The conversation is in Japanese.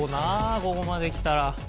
ここまできたら。